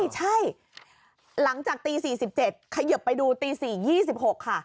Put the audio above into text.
ใช่หลังจากตี๔๗เขยิบไปดูตี๔๒๖ค่ะ